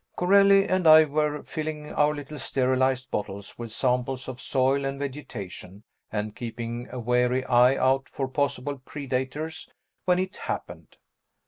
Corelli and I were filling our little sterilized bottles with samples of soil and vegetation and keeping a wary eye out for possible predators when it happened.